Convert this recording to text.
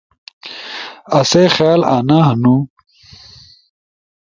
آسئی خیال انا ہنو،